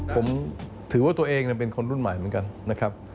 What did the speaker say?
ผมถือว่าตัวเองเป็นคนรุ่นใหม่เหมือนกันนะครับ